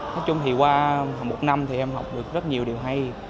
nói chung thì qua một năm thì em học được rất nhiều điều hay